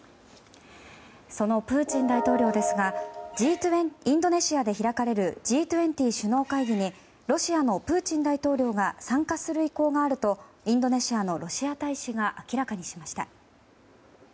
そのプーチン大統領ですがインドネシアで開かれるＧ２０首脳会議にロシアのプーチン大統領が参加する意向があるとインドネシアのロシア大使が明らかにしました。